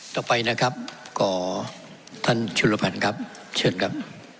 ต่อไปนะครับขอท่านชุลพันธ์ครับเชิญครับ